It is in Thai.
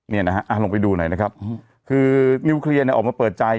เนี่ยนะฮะลงไปดูหน่อยนะครับคือนิวเคลียร์เนี่ยออกมาเปิดใจ